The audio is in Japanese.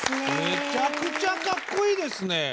めちゃくちゃかっこいいですね。